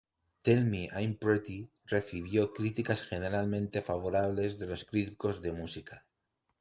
Tell Me I'm Pretty recibió críticas generalmente favorables de los críticos de música.